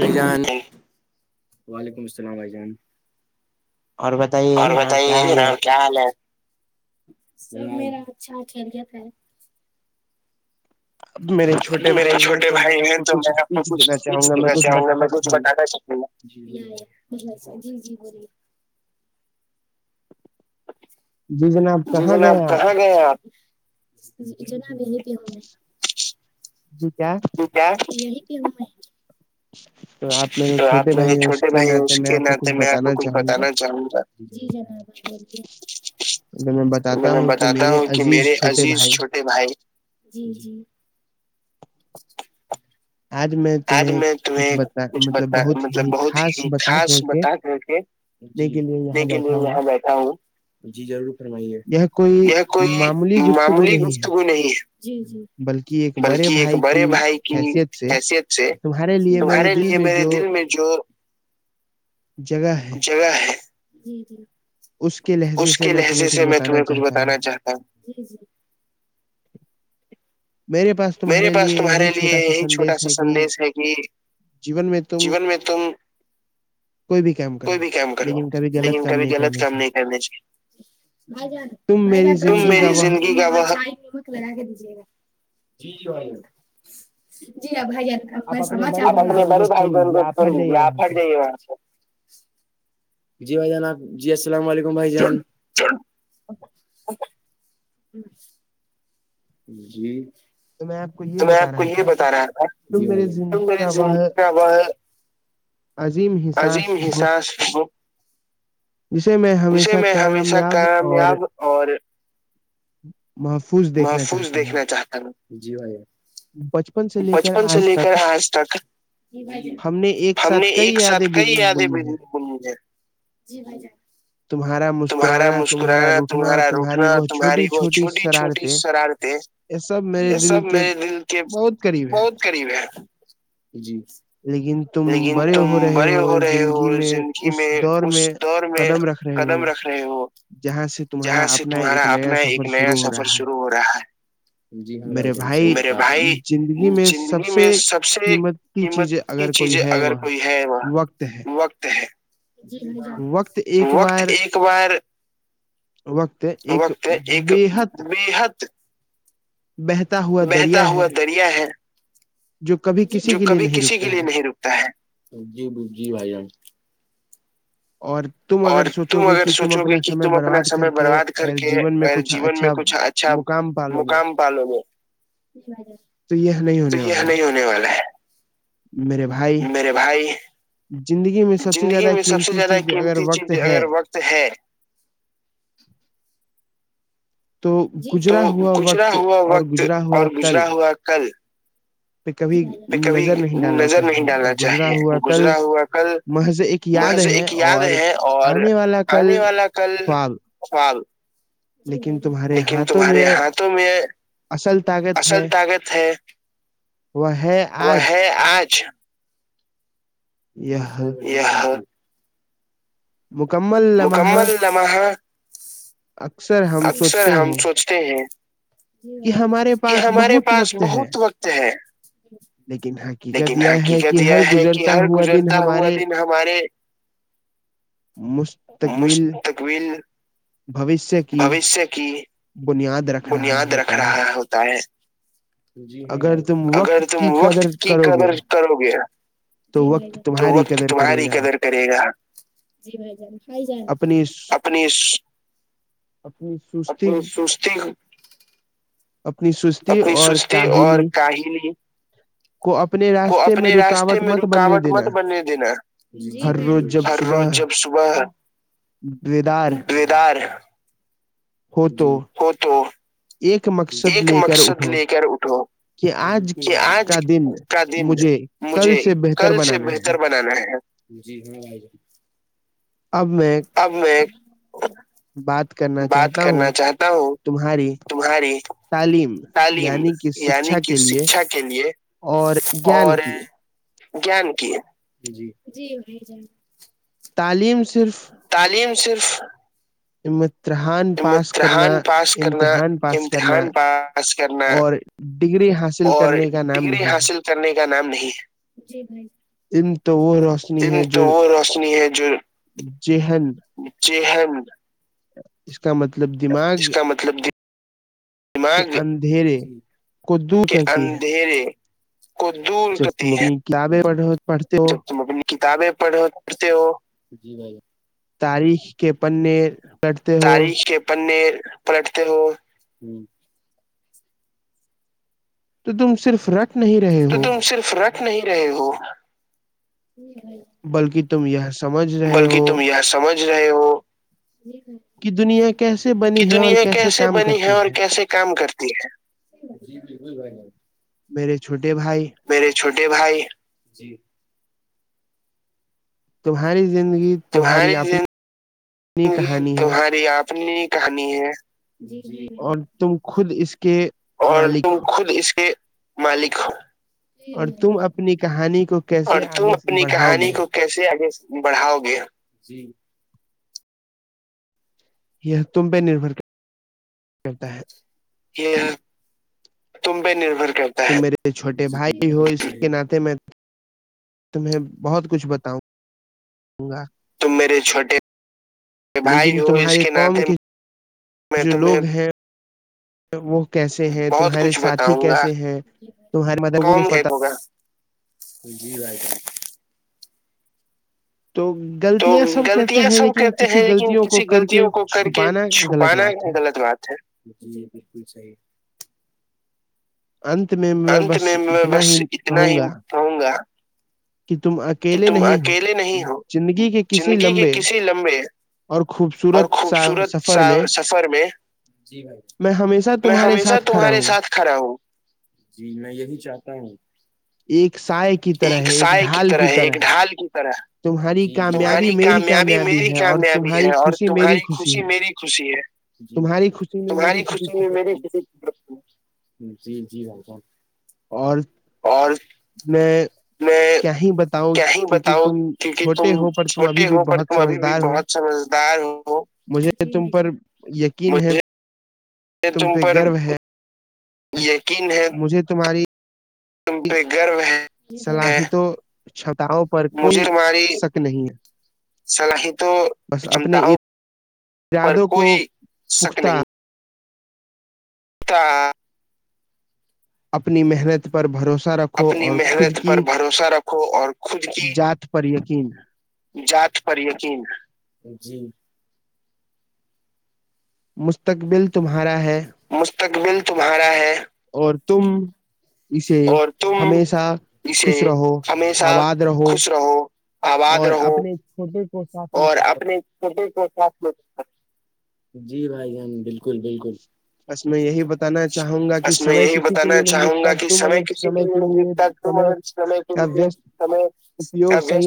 بھائی جان وعلیکم السلام بھائی جان اور بتائیے جناب کیا حال ہے کیا حال ہے سب میرا اچھا خیریت ہے میرے چھوٹے بھائی ہیں تو میں آپ کو کچھ ٹپس دینا چاہوں گا میں کچھ بتانا چاہوں گا جی یاں جی اچھا جی جی بولیے جی جناب جی جناب کہاں گئے آپ جناب یہاں پے ہوں جی کیا جی کیا جی یہاں پے ہوں میں [inaudible] تو آپ میرے چھوٹے بھائی ہیں اس کے ناتے میں آپ کو کچھ بتانا چاہوں گا جی جناب چھوڑ کے تو میں بتاتا ہوں کہ میرے عزیز چھوٹے بھائی جی جی [inaudible] آج میں آج میں تمہیں کچھ بتا مطلب بہت ہی خاص بتا کر کے جی لیکن میں یہاں بیٹھا ہوں جی ضرور فرماے یہ کوئی معمولی گفتگو نہیں ہے جی جی بلکی ایک بڑے بھائی کی حیثیت سے تمہارے لیے میرے دل میں جو جگہ ہے جی جی اس کے لہجے سے میں تمہیں کچھ بتانا چاہتا ہوں جی جی میرے پاس تمہارے لیے یہی چھوٹا سا سندیش ہے کہ جیون میں تم جیون میں تم کوئی بھی کام کرو لیکن کبھی غلط کام نہیں کرنے چاہیے تم میری زندگی کا بہت جی بھائی جان جی ہاں بھائی جان آپ اپنے بڑے بھائی [unintelligible] بھگ جائے وہاں سے جی بھائی جان آپ جی السلام علیکم بھائی جان [inaudible] جی تو میں آپ کو یہ بتا رہا تھا تم میری زندگی کا وہ وہ عظیم احساس ہو اسے میں ہمیشہ کامیاب اور محفوظ محفوظ دیکھنا چاہتا ہوں جی بھائی جان بچ بچپن سے لے کر آج تک ہم نے ایک ساتھ کئی یادیں بھی [unintelligible] جی بھائی جان تمہارا مسکرانا تمہارا روٹھنا تمہاری وہ چھوٹی چھوٹی شرارتیں یہ سب میرے دل کے بہت قریب ہے جی لیکن تم بڑے ہو رہے ہو زندگی میں اس دور میں قدم رکھ قدم رکھ رہے وہ جہاں سے تمہارا اپنا ایک نیا سفر شروع ہو رہا ہے جی ہاں بھائی جان ساہی کہا اپنے میرے بھائی زندگی میں سب سے قیمت کی چیزیں اگر کوئی ہے وہ وقت ہے جی بھائی جان وقت ایک بار وقت ایک بےحد بےحد بہتا ہوا دریا ہے جو کبھی کسی کے لیے نہیں رکتا ہے جی جی بھائی جان اور تم اگر سوچو گے کہ تم اپنا سمے برباد کر کے ا جیون میں کچھ اچھا مقام پالو گے تو یہ نہیں ہونے والا ہے میرے بھائی زندگی میں سب سے زیادہ قیمتی چیز اگر وقت ہے تو گزرا ہوا وقت اور گزرا ہوا کل کے کبھی نظر نہیں ڈالنا چاہیے گزرا ہوا کل محض ایک یاد ہے اور آنے والا کل فال لیکن تمہارے ہاتھوں میں اصل طاقت ہے وہ ہے وہ ہے آج جی صحیح بولے ہیں یہاں مکمل مکمل لمحہ اکثر ہم سوچتے ہیں جی بھائی جان کہ ہمارے پاس بہت وقت ہے لیکن حقیقت یہ ہے کہ ہر گزرتا ہوا دن ہمارے مستقبل بوشیہ بھاویشے کی بنیاد رکھ رہا ہوتا ہے جی ہاں بھائی اگر تم وقت کی قدر کرو گے جی بھائی جان تو وقت تمہاری قدر کرے گا جی بائی جان کھائے جان اپنی اس اپنی [unintelligible] اپنی سستی اپنی سستی اور کاہلی کہیں نہیں کو اپنے راستے میں رکاوٹ مت بنے دینا جی بلکل ہر روز جب صبح بدار ہو تو ہو تو ایک مقصد لے کر اٹھو یہ آج کا دن مجھے کل سے بہتر بنانا ہے جی ہاں بھائی جان اب میں اب میں بات کرنا چاہتا ہوں تمہاری تعلیم یعنی کی شکشا کے لیے اور گیان کی جیان کی جی جی بھائی جان تعلیم صرف تعلیم صرف تم امتحان پاس کرنا امتحان پاس کرنا اور ڈگری حاصل کرنے کا نام نہیں جی بھائی علم تو وہ روشنی ہے جو جہن جہن اس کا مطلب دماغ کے اندھیرے کو دور کرتی ہے جب تم اپنی کتابیں پڑھ پڑھتے ہو جی بھائی تاریخ کے پننے تاریخ کے پننے پلٹتے ہو تو تم صرف رکھ نہیں رہے تو تم صرف رکھ نہیں رہے ہو بلکی تم یا سمجھ رہے ہو کی دنیا کیسے بنی ہے اور کیسے کام کرتی ہے جی جی جی بھائی جان میرے چھوٹے بھائی میرے چھوٹے بھائی جی تمہاری زندگی تمہاری زندگی تمہاری اپنی کہانی ہے جی جی بھائی جان تم خود اس کے اور تم خود اس کے مالک ہو جی بھائی جان اور تم اپنی کہانی کو کیسے آگے سے بڑھاؤ گے جی یہ تم پے نربھر کرتا ہے یہ تم پے نربھر کر تو میرے چھوٹے بھائی ہو اس کے ناطے میں تمہیں بہت کچھ بتاؤں گا تم میرے چھوٹے بھائی ہو اس کے ناطے میں تمہیں وہ کیسے ہیں تمہارے ساتھی کیسے ہیں تمہارے مطلب وہ بتہ جی بھائی جان تم تو غلطیاں سب کرتے ہیں لیکن کسی غلطیوں کو کر کے چھپانا غلط بات ہے جی بالکل صحیح انت میں انت میں میں بس اتنا ہی کہوں گا کہ تم اکیلے نہیں ہو زندگی کے کسی لمہے اور خوبصورت سفر میں جی بھائی میں ہمیشہ تمہارے ساتھ کھاڑا ہوں جی میں یہی چاہتا ہوں ایک سائے کی طرح ہے ایک ڈھال طرح ہے ایک ڈھال کی طرح جی جی تمہاری کامیابی میری کامیابی ہے اور تمہاری خوشی میری خوشی ہے جی بھائی جان تمہاری خوشی میں میری خوشی جی جی بھائی جان اور اور میں کیا ہی بتاؤ کیونکہ تم چھوٹے ہو پر تم ابھی بھی بہت سمجھدار ہو سمجھدار ہو مجھے تم پر یقین ہے یہ تم پر مجھے تمہاری تم پہ گرف ہے ہے چھتاؤ پر کوئی شک نہیں ہے صلاحی تو چمتا ہو یادو کو پخت تھا اپنی محنت پر بھروسہ رکھو اپنی محنت پر بھروسہ رکھو اور خود کی پر یقین جات پر یقین جی مستقبل تمہارا ہے مستقبل تمہارا ہے اور تم اسے ہمیشہ خوش رہو آباد رہو اور اپنے چھوٹے اور اپنے سبھی کو ساتھ میں جی بھائی جان بالکل بالکل بس میں یہی بتانا چاہوں گا کہ سمے کسی کے لیے نہیں رکھتا مدد کرلنے کے لیے سمے کا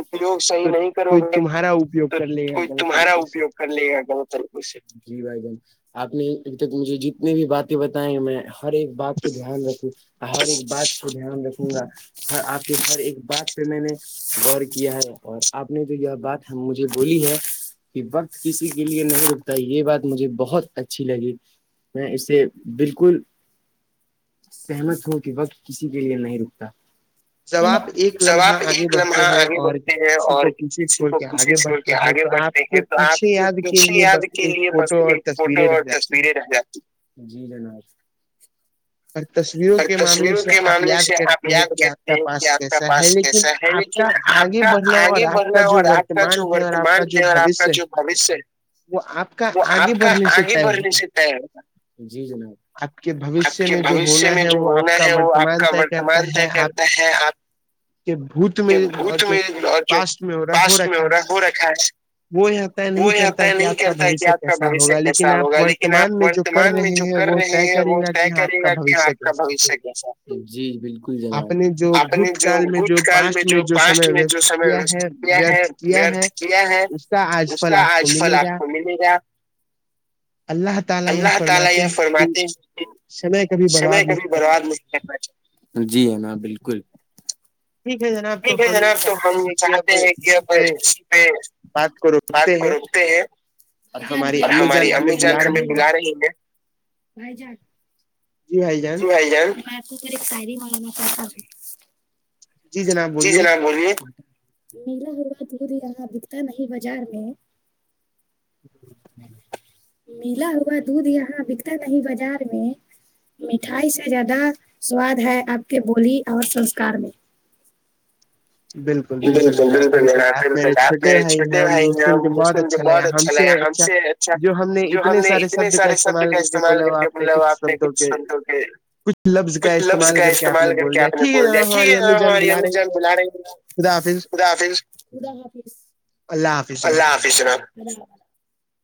اپوگ صحیح نہیں کرو گے تو کوئی تمہارا اپیوگ کر لے گا جی بھائی جان آپ انکے کے جیتنے بھی باتیں بتیں میں ہر ایک بات کو دھیان رکھوں ہر ایک بات کو دھیان رکھوں گا آپ کے ہر ایک بات سے میں نے غور کیا ہے اور آپ نے جو یہ بات مجھے بولی ہے کہ وقت کسی کا کے لیے نہیں رکھتا یہ بات مجھے بہت اچھی لگی میں اسے بالکل سہمت ہو کہ وقت کسی کے لیے نہیں رکتا جب آپ ایک لمحہ آگے بڑھتے ہیں اور کسی کو پوچھے چھوڑ کے آگے بڑھتے ہیں جو پیچھے جوہ پیچھے یاد کے لیے بس ایک فوٹو اور تصویریں رہ جاتی ہے اور تصویروں کے معاملے سے آپ یاد کرتے ہیں کہ آپ کا پاس کیسا ہے لیکن آپ کا آگے بڑھنا اور آپ کا جو وورتمان ہے اور آپ کا جو بوشیہ ہے وہ آپ کا آگے بڑھنے سے تے ہوتا آپ کے ب بھویشے میں جو ہونا ہے وہ آپ کا وورتمان طے کرتا ہے آپ کہ بھت میں اور جو پاسٹ میں ہو رہا ہو رکھا ہے وہ یہ طے نہیں کرتا کہ آپ کا بھویشہ کیسا ہوگا لیکن آپ ورتمان میں جو کر رہے ہیں وہ طے کرے گا کہ آپ آپ کا بھوشیہ کیسا جی بالکل جناب آپ نے جو گچھ کال میں جو پاسٹ میں جو سمے وسٹ کیا ہے ویرتھ کیا ہے اس کا آج فل آپ [unintelligible] اللہ تعالی یے فرماتے ہیں کی سمے سمے کبھی برباد نہیں کرنا چاہیے جی ہاں بالکل ٹھیک ہے جناب تو ہم چاہتے ہیں کہ اب اسی پے بات کرو بات کو روکتے ہیں بھائی جان ہماری امی جان ہمیں بلا رہی ہیں بھائی جان جی بھائی جان جی جناب بولے میلا ہوا دور یہاں بکتا نہیں بازار میں ملا ہوا دودھ یہاں بکتا نہیں بازار میں مٹھائی سے زیادہ سواد ہے آپ کے بولی اور سنسکار میں بالکل بالکل بالکل [unintelligible] آپ میں بھائی ہم سن کے بہت اچھا لگا ہم سے اچھا جو ہم نے اتنے سارے شبدو کا استعمال کر کے بولا وہ آپ نے کچھ شبڈو کے کچھ لفظ کا استعمال کر کے آپ نے بول دیا ٹھیک ہے ہماری امی جان بلا خدا حافظ خدا حافظ اللہ حاف اللہ حافظ جناب